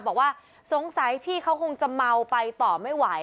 บอกว่าสงสัยพี่เขาคงจะเมาไปต่อไม่ไหว